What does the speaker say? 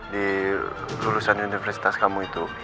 di lulusan universitas kamu itu